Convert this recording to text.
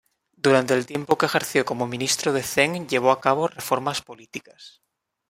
Durante el tiempo que ejerció como ministro de Zheng llevó a cabo reformas políticas.